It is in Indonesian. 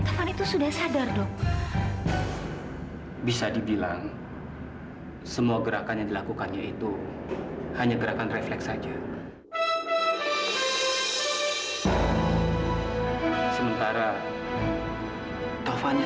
sampai jumpa di video selanjutnya